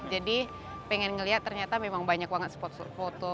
jadi pengen melihat ternyata memang banyak banget spot spot